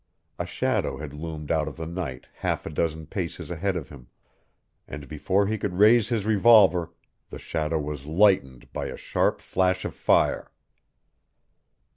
A shadow had loomed out of the night half a dozen paces ahead of him, and before he could raise his revolver the shadow was lightened by a sharp flash of fire.